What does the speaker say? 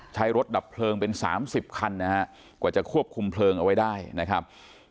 ใช้รถดับเพลิงเป็น๓๐คันนะฮะกว่าจะควบคุมเพลิงเอาไว้ได้นะครับ